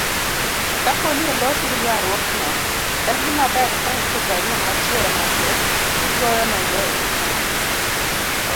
Kapo ni olosni ywaruokno, en gimaber ka indiko barua machielo machuok kigoyonego erokamano